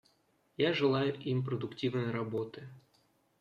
Я желаю им продуктивной работы.